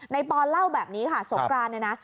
ปอนเล่าแบบนี้ค่ะสงกรานเนี่ยนะ